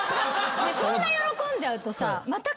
そんな喜んじゃうとさ。